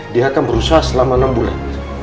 dia akan berusaha selama enam bulan